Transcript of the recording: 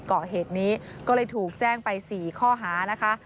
ก่อเหตุนี้ก็เลยถูกแจ้งไป๔ข้อหานะคะ